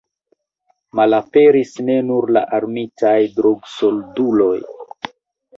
Malaperis ne nur la armitaj drogsolduloj.